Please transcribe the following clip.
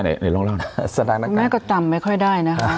เดี๋ยวลองเล่าหน่อยแสดงนักการคุณแม่ก็จำไม่ค่อยได้นะฮะ